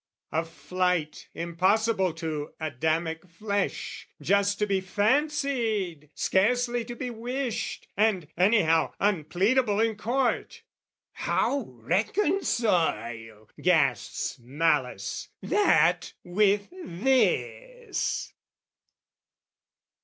A flight, impossible to Adamic flesh, Just to be fancied, scarcely to be wished, And, anyhow, unpleadable in court! "How reconcile," gasps Malice, "that with this?"